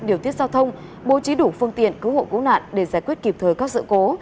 điều tiết giao thông bố trí đủ phương tiện cứu hộ cứu nạn để giải quyết kịp thời các sự cố